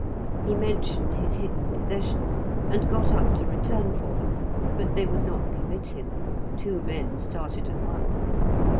He mentioned his hidden possessions, and got up to return for them, but they would not permit him. Two men started at once.